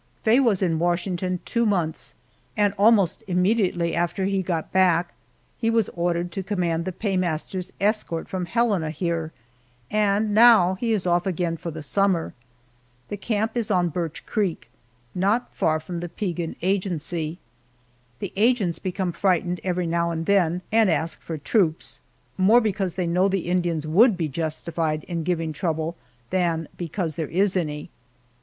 Faye was in Washington two months, and almost immediately after he got back he was ordered to command the paymaster's escort from Helena here, and now he is off again for the summer! The camp is on Birch Creek not far from the Piegan Agency. The agents become frightened every now and then, and ask for troops, more because they know the Indians would be justified in giving trouble than because there is any.